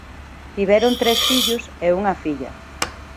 Tiveron tres fillos e unha filla.